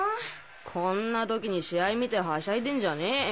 こんな時に試合観てはしゃいでんじゃねよ。